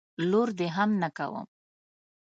لور دي هم نه کوم.